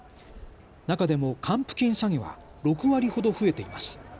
中でも還付金詐欺は６割ほど増えています。